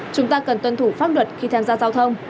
chúng ta cần tuân thủ pháp luật khi tham gia giao thông